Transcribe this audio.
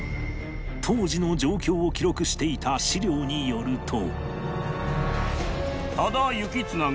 当時の状況を記録していた史料によると